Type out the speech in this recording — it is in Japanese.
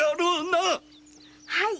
はい。